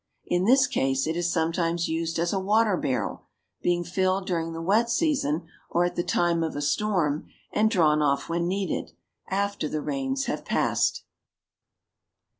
In this case it is sometimes used as a water barrel, being filled during the wet season or at the time of a storm, and drawn off when needed, after the rains have passed.